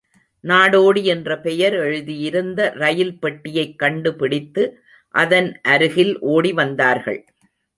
நாடோடி என்ற பெயர் எழுதியிருந்த ரயில் பெட்டியைக் கண்டுபிடித்து அதன் அருகில் ஓடி வந்தார்கள்.